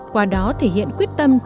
qua đó thể hiện quyết tâm chủ yếu